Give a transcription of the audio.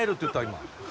今。